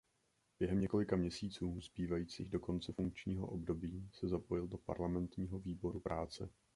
Během několika měsíců zbývajících do konce funkčního období se zapojil do parlamentního výboru práce.